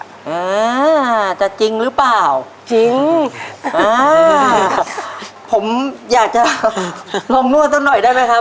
อ่าจะจริงหรือเปล่าจริงอ่าผมอยากจะลองนวดสักหน่อยได้ไหมครับ